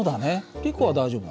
リコは大丈夫なの？